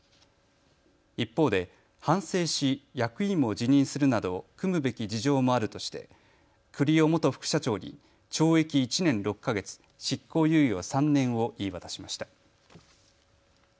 一方で、反省し役員も辞任するなど酌むべき事情もあるとして栗尾元副社長に懲役１年６か月、執行猶予３年を言い渡しました。